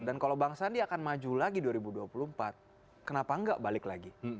dan kalau bang sandi akan maju lagi dua ribu dua puluh empat kenapa enggak balik lagi